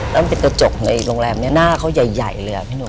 แล้วมันเป็นกระจกในโรงแรมนี้หน้าเขาใหญ่เลยอ่ะพี่หนุ่ม